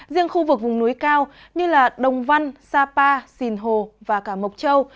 riêng khu vực vùng núi cao như đồng văn sapa sinh hồ và cả mộc châu